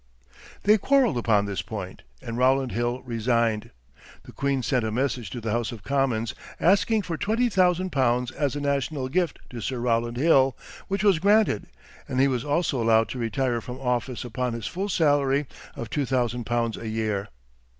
They quarreled upon this point, and Rowland Hill resigned. The queen sent a message to the House of Commons asking for twenty thousand pounds as a national gift to Sir Rowland Hill, which was granted, and he was also allowed to retire from office upon his full salary of two thousand pounds a year.